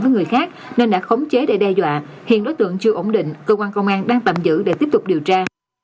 với người khác nên đã khống chế để đe dọa hiện đối tượng chưa ổn định cơ quan công an đang tạm giữ để tiếp tục điều tra